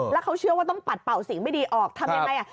แล้วเขาเชื่อว่าต้องปัดเป่าสิ่งไม่ดีออกทำยังไง